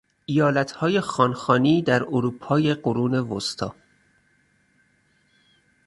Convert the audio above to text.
ایالت های خان خانی در اروپای قرون وسطی